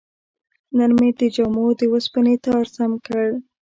نن مې د جامو د وسپنې تار سم کړ.